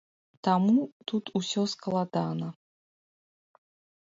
Таму тут усё складана.